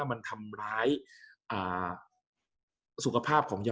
กับการสตรีมเมอร์หรือการทำอะไรอย่างเงี้ย